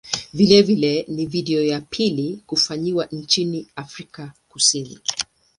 Vilevile ni video ya pili kufanyiwa nchini Afrika Kusini.